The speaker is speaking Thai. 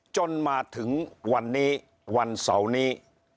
จนมาถึงวันนี้วันเสาร์นี้